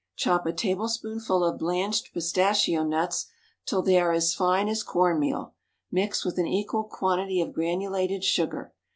Chop a tablespoonful of blanched pistachio nuts till they are as fine as corn meal, mix with an equal quantity of granulated sugar.